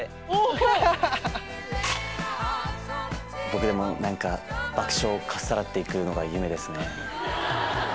どこでも爆笑をかっさらって行くのが夢ですね。